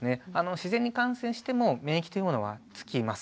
自然に感染しても免疫というものはつきます。